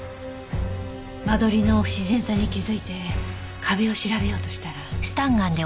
間取りの不自然さに気づいて壁を調べようとしたら。